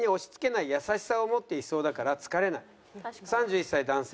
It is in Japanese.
３１歳男性。